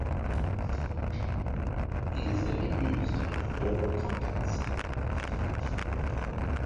It is never used in a formal context.